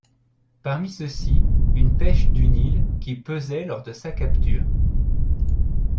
Parmi ceux-ci une perche du Nil qui pesait lors de sa capture.